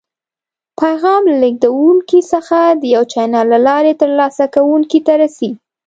پیغام له لیږدونکي څخه د یو چینل له لارې تر لاسه کوونکي ته رسي.